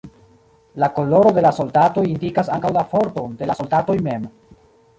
La koloro de la soldatoj indikas ankaŭ la forton de la soldatoj mem.